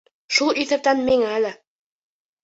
Шул иҫәптән миңә лә.